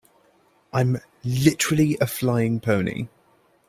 I'm literally a flying pony.